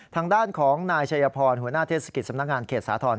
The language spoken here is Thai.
ทางด้านของนายชัยพรหัวหน้าเทศกิจสำนักงานเขตสาธรณ